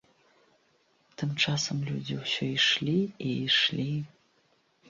Тым часам людзі ўсё ішлі і ішлі.